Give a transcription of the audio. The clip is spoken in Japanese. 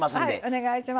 お願いします。